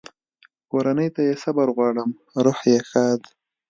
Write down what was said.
کورنۍ ته یې صبر غواړم، روح یې ښاد.